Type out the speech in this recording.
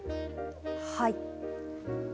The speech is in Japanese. はい。